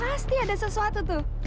pasti ada sesuatu tuh